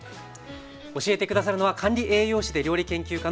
教えて下さるのは管理栄養士で料理研究家の牧野直子さんです。